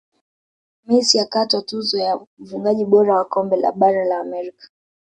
messi akatwaa tuzo ya mfungaji bora wa kombe la bara la amerika